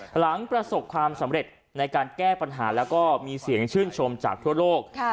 หลังประสบความสำเร็จในการแก้ปัญหาแล้วก็มีเสียงชื่นชมจากทั่วโลก